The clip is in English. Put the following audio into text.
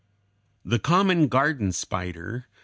] The common garden spider (Fig.